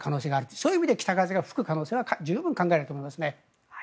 そういう意味で北風が吹く可能性は十分に考えられると思いますね。